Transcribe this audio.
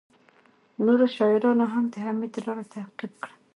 نورو شاعرانو هم د حمید لاره تعقیب کړه